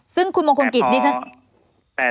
ซึ่งคุณมงคลกิจนี่ฉัน